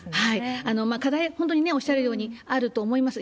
課題は本当に、おっしゃるようにあると思います。